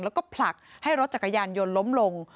แล้วก็ผลักให้รถจักรยานยนต์ล้มลง